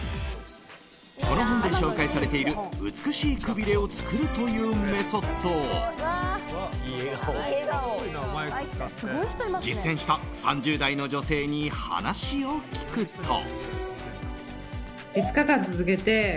この本で紹介されている美しいくびれを作るというメソッドを実践した３０代の女性に話を聞くと。